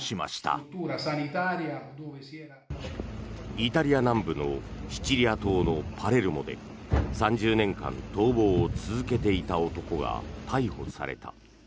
イタリア南部のシチリア島のパレルモで３０年間逃亡を続けていた男が逮捕された。